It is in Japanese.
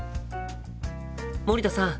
森田さん。